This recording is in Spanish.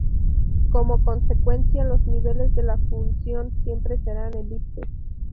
Como consecuencia, los niveles de la función siempre serán elipses.